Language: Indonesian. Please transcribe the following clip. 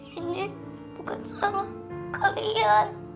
ini bukan salah kalian